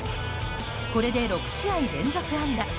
これで６試合連続安打。